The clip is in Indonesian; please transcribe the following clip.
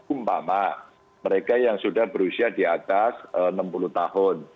umpama mereka yang sudah berusia di atas enam puluh tahun